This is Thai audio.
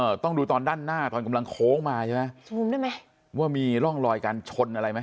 เออต้องดูตอนด้านหน้าตอนกำลังโค้งมาใช่ไหมว่ามีร่องลอยการชนอะไรไหมเออ